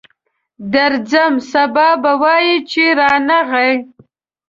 درځم، سبا به وایې چې رانغی.